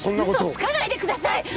嘘つかないでください！